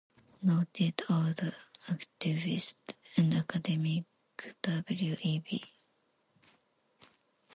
Noted author, activist, and academic W. E. B.